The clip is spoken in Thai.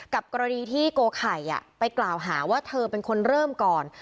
กรณีที่โกไข่ไปกล่าวหาว่าเธอเป็นคนเริ่มก่อน